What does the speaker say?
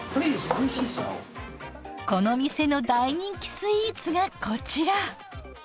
この店の大人気スイーツがこちら。